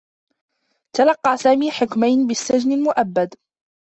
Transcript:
تلقّى سامي حكمين بالسّجن المؤبّد.